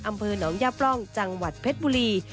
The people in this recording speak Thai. อำเภอหนองย่าปล่องจังหวัดเพชรบุรี